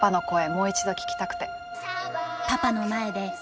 もう一度聞きたくて。